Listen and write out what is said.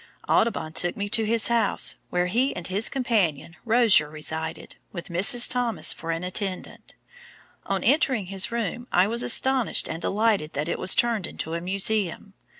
"Audubon took me to his house, where he and his companion, Rozier, resided, with Mrs. Thomas for an attendant. On entering his room, I was astonished and delighted that it was turned into a museum.